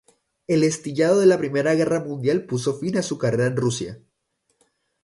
El estallido de la Primera Guerra Mundial puso fin a su carrera en Rusia.